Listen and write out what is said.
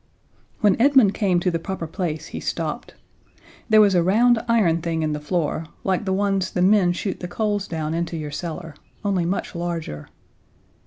When Edmund came to the proper place he stopped. There was a round iron thing in the floor, like the ones the men shoot the coals down into your cellar, only much larger.